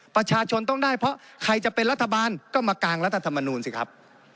ประชาชนต้องได้เพราะใครจะเป็นรัฐบาลก็มากางรัฐธรรมนูลสิครับ